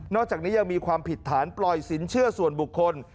อกจากนี้ยังมีความผิดฐานปล่อยสินเชื่อส่วนบุคคล